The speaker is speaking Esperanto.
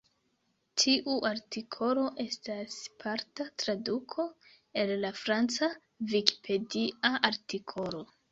Tiu artikolo estas parta traduko el la franca Vikipedia artikolo.